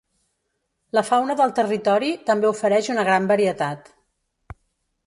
La fauna del territori també ofereix una gran varietat.